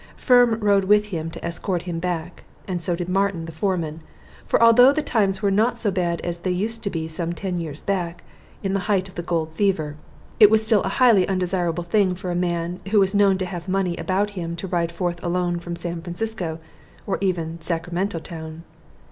Firm rode with him to escort him back, and so did Martin, the foreman; for although the times were not so bad as they used to be some ten years back, in the height of the gold fever, it still was a highly undesirable thing for a man who was known to have money about him to ride forth alone from San Francisco, or even Sacramento town.